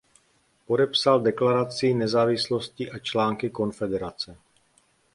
Podepsal Deklaraci nezávislosti a Články Konfederace.